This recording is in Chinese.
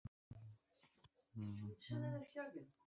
他现在效力于英超球队哈德斯菲尔德。